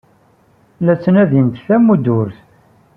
La ttnadint tamudrut.